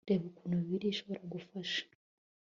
Reba ukuntu Bibiliya ishobora gufasha